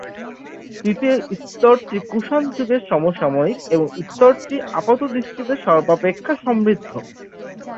তৃতীয় স্তরটি কুষাণ যুগের সমসাময়িক এবং স্তরটি আপাতদৃষ্টিতে সর্বাপেক্ষা সমৃদ্ধ।